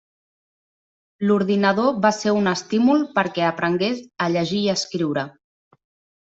L'ordinador va ser un estímul perquè aprengués a llegir i escriure.